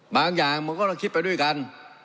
บางอย่างมันก็ต้องคิดไปด้วยกัน